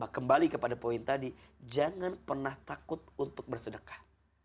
kembali kepada poin tadi jangan pernah takut untuk bersedekah